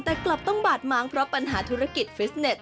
แต่กลับต้องบาดม้างเพราะปัญหาธุรกิจฟิสเน็ต